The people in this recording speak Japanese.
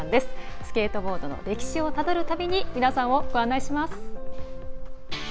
スケートボードの歴史をたどる旅に皆さんをご案内します。